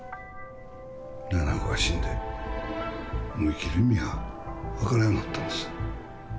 七菜子が死んでもう生きる意味が分からんようになったんです。